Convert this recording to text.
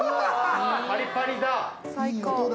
パリパリだ！